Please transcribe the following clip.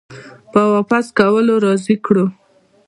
په واپس کولو راضي کړو